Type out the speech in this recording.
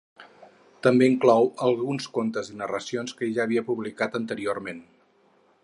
També inclou alguns contes i narracions que ja havia publicat anteriorment.